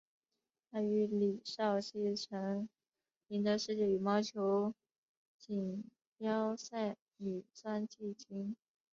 她与李绍希曾赢得世界羽毛球锦标赛女双季军。